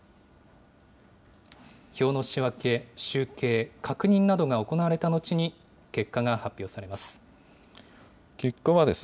票の仕分け、集計、確認などが行われた後に、結果が発表されます。